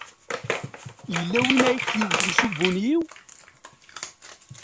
Yella win ay k-iwten s ubunyiw?